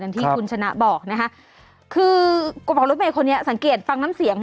ที่คุณชนะบอกนะคะคือกระเป๋ารถเมย์คนนี้สังเกตฟังน้ำเสียง